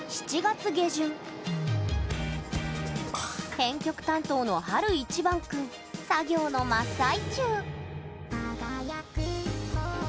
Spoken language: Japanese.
編曲担当の晴いちばん君作業の真っ最中。